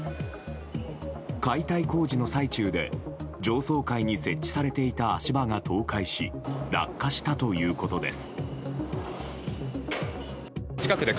解体工事の最中で上層階に設置されていた足場が倒壊し、落下したということです。